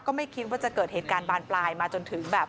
ไม่คิดว่าจะเกิดเหตุการณ์บานปลายมาจนถึงแบบ